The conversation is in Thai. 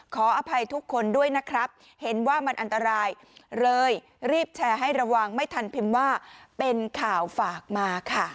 ขออภัยทุกคนด้วยนะครับเห็นว่ามันอันตรายเลยรีบแชร์ให้ระวังไม่ทันพิมพ์ว่าเป็นข่าวฝากมาค่ะ